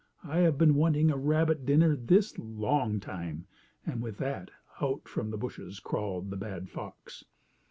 "I have been wanting a rabbit dinner this long time," and with that out from the bushes crawled the bad fox.